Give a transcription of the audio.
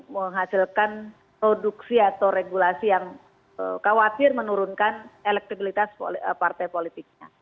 menghasilkan produksi atau regulasi yang khawatir menurunkan elektabilitas partai politiknya